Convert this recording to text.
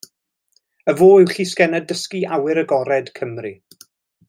Y fo yw llysgennad dysgu awyr agored Cymru.